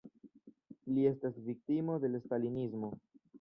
Li estas viktimo de la stalinismo.